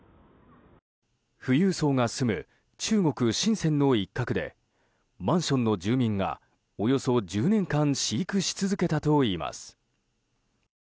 富裕層が住む中国シンセンの一角でマンションの住民がおよそ１０年間飼育し続けたといいます。